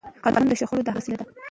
قانون د شخړو د حل وسیله ده